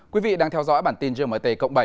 quý vị đang theo dõi bản tin gmt cộng bảy